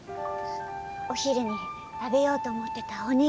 お昼に食べようと思ってたおにぎり。